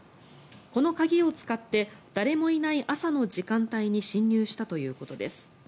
この鍵を使って誰もいない朝の時間帯に侵入したということです。